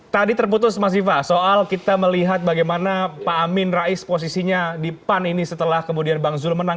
tadi terputus mas viva soal kita melihat bagaimana pak amin rais posisinya di pan ini setelah kemudian bang zul menang